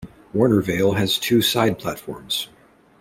Warnervale has two side platforms.